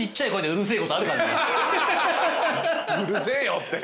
うるせえよって。